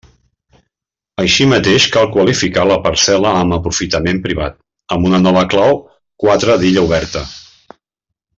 Així mateix cal qualificar la parcel·la amb aprofitament privat, amb una nova clau quatre d'Illa oberta.